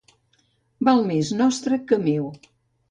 Val més nostre que meu.